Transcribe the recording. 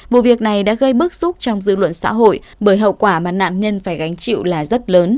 vụ việc này đã gây bức xúc trong dư luận xã hội bởi hậu quả mà nạn nhân phải gánh chịu là rất lớn